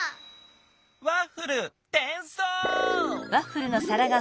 ワッフルてんそう！